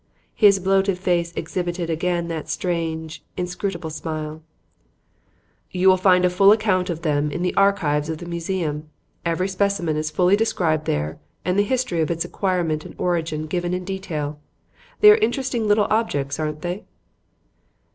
His bloated face exhibited again that strange, inscrutable smile. "You will find a full account of them in the archives of the museum. Every specimen is fully described there and the history of its acquirement and origin given in detail. They are interesting little objects, aren't they?"